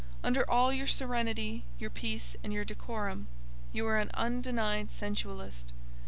Under all your serenity, your peace, and your decorum, you are an undenied sensualist.